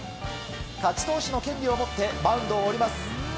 勝ち投手の権利を持ってマウンドを降ります。